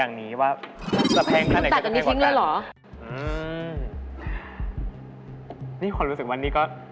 อันนี้ถูกสุด